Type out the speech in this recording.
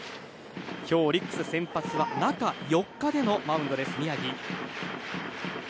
今日オリックス先発は中４日でのマウンドです、宮城。